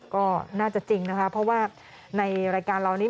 ก็น่าจะจริงนะคะเพราะว่าในรายการเรานี้